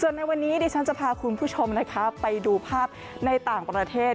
ในวันนี้ดิฉันจะพาคุณผู้ชมนะคะไปดูภาพในต่างประเทศ